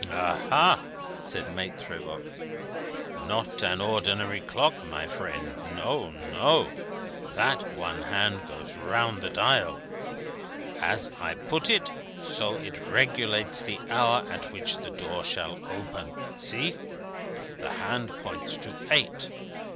"Aha!" said Maitre Voigt. "Not an ordinary clock, my friend. No, no. That one hand goes round the dial. As I put it, so it regulates the hour at which the door shall open. See! The hand points to eight.